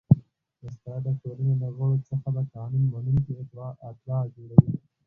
استاد د ټولني له غړو څخه د قانون منونکي اتباع جوړوي.